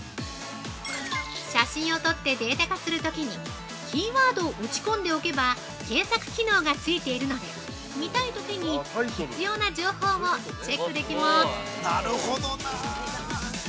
写真を撮って、データ化するときにキーワードを打ち込んでおけば検索機能がついているので、見たいときに必要な情報をチェックできます。